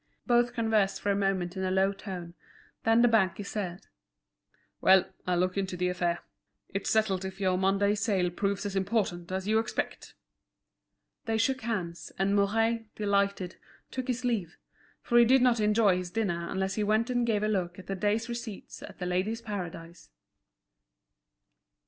Both conversed for a moment in a low tone, then the banker said: "Well, I'll look into the affair. It's settled if your Monday's sale proves as important as you expect." They shook hands, and Mouret, delighted, took his leave, for he did not enjoy his dinner unless he went and gave a look at the day's receipts at The Ladies' Paradise.